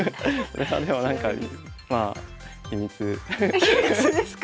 でもなんかまあ秘密ですか。